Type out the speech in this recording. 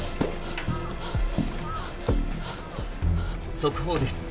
「速報です」